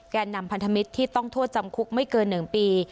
แก่นำพันธมิตรที่ต้องโทษจำคุกไม่เกิน๑ปี